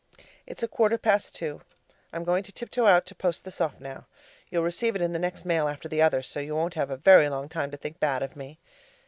It's a quarter past two. I'm going to tiptoe out to post this off now. You'll receive it in the next mail after the other; so you won't have a very long time to think bad of me.